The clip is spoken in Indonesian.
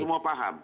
kita semua paham